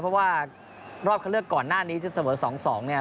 เพราะว่ารอบเข้าเลือกก่อนหน้านี้จะเสมอ๒๒เนี่ย